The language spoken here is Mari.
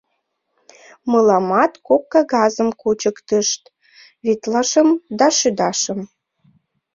Мыламат кок кагазым кучыктышт: витлашым да шӱдашым.